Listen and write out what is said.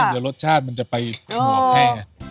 ไม่เดี๋ยวรสชาติมันจะไปออกให้